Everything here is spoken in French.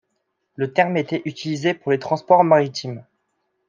Le terme était utilisé pour les transports maritimes.